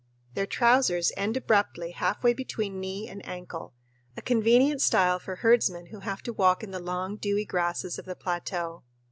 Their trousers end abruptly halfway between knee and ankle, a convenient style for herdsmen who have to walk in the long, dewy grasses of the plateau.